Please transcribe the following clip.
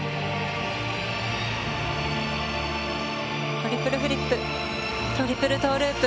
トリプルフリップトリプルトーループ。